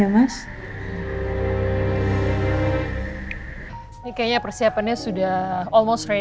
masih bercampur kalau satu ratus delapan puluh